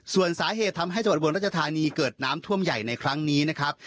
ส่วนสาเหตุทำให้จังหวัดอุบลรัชธานีเกิดน้ำท่วมใหญ่ในครั้งนี้นะครับ